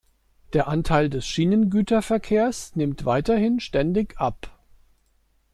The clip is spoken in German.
Der Anteil des Schienengüterverkehrs nimmt weiterhin ständig ab.